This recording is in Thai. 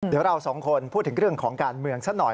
เดี๋ยวเราสองคนพูดถึงเรื่องของการเมืองสักหน่อย